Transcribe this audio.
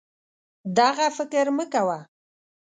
دغه فکر مه کوه